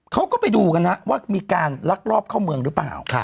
เขาก็ไปดูกันนะว่ามีการลักลอบเข้าเมืองหรือเปล่า